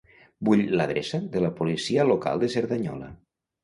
Vull l'adreça de la policia local de Cerdanyola.